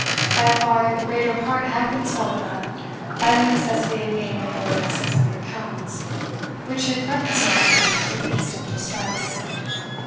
By far the greater part had been swallowed up by the necessity of paying the bill of six hundred pounds, which had threatened Sir Arthur with instant distress.